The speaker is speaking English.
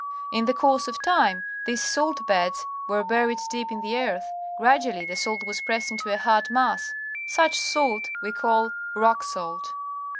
In the course of time these salt beds were buried deep in the earth. Gradually the salt was pressed into a hard mass. Such salt we call rock salt.